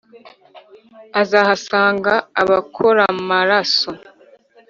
Uzahasanga abakoramaraso